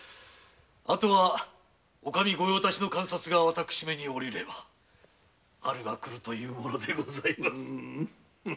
あとはお上御用達の鑑札が私めにおりれば春が来るというものでございます。